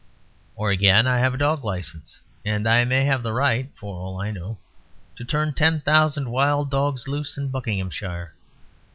Or, again, I have a dog license; and I may have the right (for all I know) to turn ten thousand wild dogs loose in Buckinghamshire.